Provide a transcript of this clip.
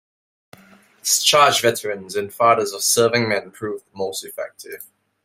Discharged veterans and fathers of serving men proved most effective.